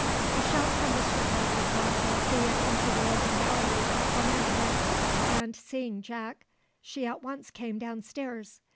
A shout from Mr Harwood brought Alethea into the open gallery at one end of it; and seeing Jack, she at once came down stairs.